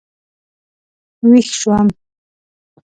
وېښ شوم.